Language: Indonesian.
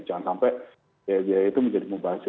jangan sampai biaya biaya itu menjadi membaca